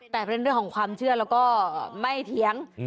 แต่เป็นเรื่องของความเชื่อแล้วก็ไม่เถียง